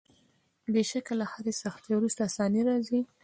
بېشکه له هري سختۍ وروسته آساني راځي.